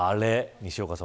西岡さん